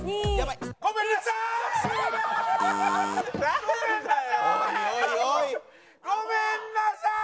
ごめんなさい！